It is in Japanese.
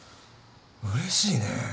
うれしいね。